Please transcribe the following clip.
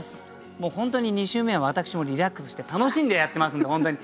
もう本当に２週目は私もリラックスして楽しんでやってますんで本当に。